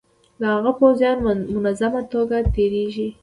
د هغه پوځیان منظمه توګه تیریږي.